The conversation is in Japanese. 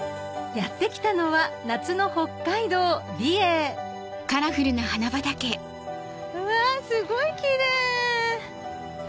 やって来たのは夏の北海道美瑛うわぁすごいキレイ！